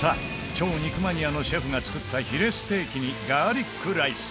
超肉マニアのシェフが作ったヒレステーキにガーリックライス